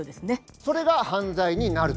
それが犯罪になると。